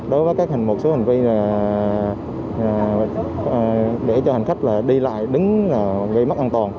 đối với các một số hành vi để cho hành khách đi lại đứng gây mất an toàn